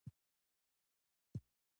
ال میز ته راغی.